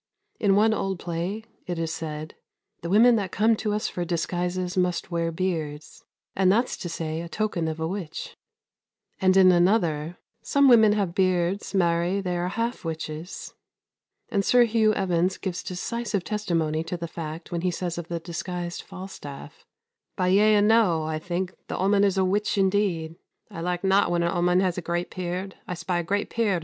In one old play it is said, "The women that come to us for disguises must wear beards, and that's to say a token of a witch;" and in another, "Some women have beards; marry, they are half witches;" and Sir Hugh Evans gives decisive testimony to the fact when he says of the disguised Falstaff, "By yea and no, I think, the 'oman is a witch indeed: I like not when a 'oman has a great peard; I spy a great peard under her muffler."